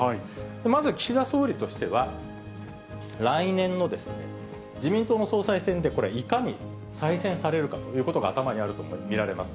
まず岸田総理としては、来年の自民党の総裁選でこれ、いかに再選されるかということが頭にあると見られます。